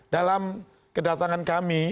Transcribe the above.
dalam kedatangan kami